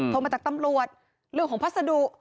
โทรมาจากตำรวจเรื่องของภาษาดู